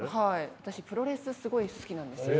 私プロレスすごい好きなんですよ。